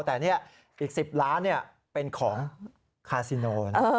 แต่นี่อีก๑๐ล้านเป็นของคาซิโน